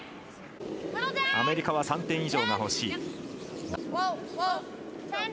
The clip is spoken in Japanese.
アメリカは３点以上が欲しい。